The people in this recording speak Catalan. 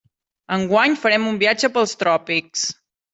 Enguany farem un viatge pels tròpics.